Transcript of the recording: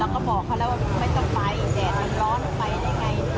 ก็บอกเขาแล้วว่าไม่ต้องไปแดดมันร้อนไปได้ไง